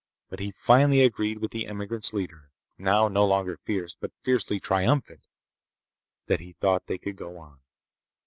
But he finally agreed with the emigrants' leader—now no longer fierce, but fiercely triumphant—that he thought they could go on.